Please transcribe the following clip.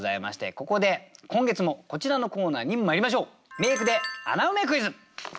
ここで今月もこちらのコーナーにまいりましょう。